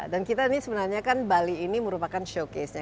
dan kita ini sebenarnya bali ini merupakan showcase nya